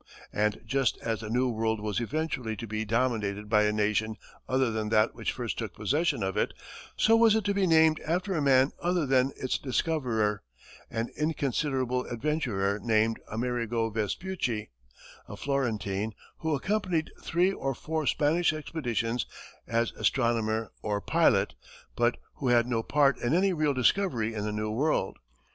And just as the New World was eventually to be dominated by a nation other than that which first took possession of it, so was it to be named after a man other than its discoverer: an inconsiderable adventurer named Amerigo Vespucci, a Florentine, who accompanied three or four Spanish expeditions as astronomer or pilot, but who had no part in any real discovery in the New World.